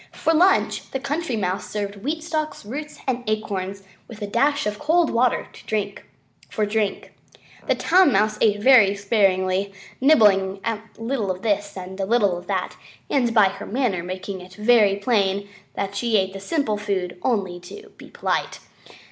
For lunch the Country Mouse served wheat stalks, roots, and acorns, with a dash of cold water for drink. The Town Mouse ate very sparingly, nibbling a little of this and a little of that, and by her manner making it very plain that she ate the simple food only to be polite.